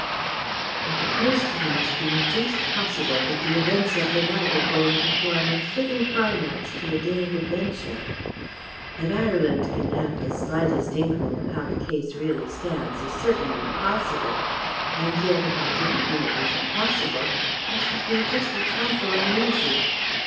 "It occurs to me as being just possible that the events of the night are going to form a fitting climax to a day of adventure. That Ireland can have the slightest inkling of how the case really stands is certainly impossible; and yet, if I didn't know it was impossible, I should feel just a trifle uneasy.